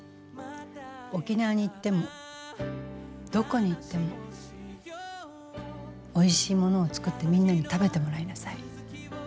沖縄に行ってもどこに行ってもおいしいものを作ってみんなに食べてもらいなさい。